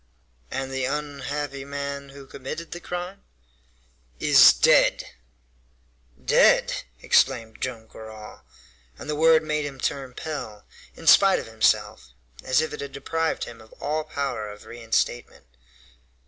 "And the unhappy man who committed the crime?" "Is dead." "Dead!" exclaimed Joam Garral; and the word made him turn pale, in spite of himself, as if it had deprived him of all power of reinstatement.